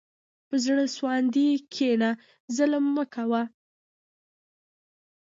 په زړه سواندي کښېنه، ظلم مه کوه.